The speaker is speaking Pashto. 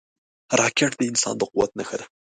راکټ د انسان د قوت نښه ده